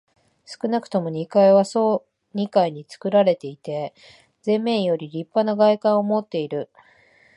少なくとも二階は総二階につくられていて、前面よりもりっぱな外観をもっている。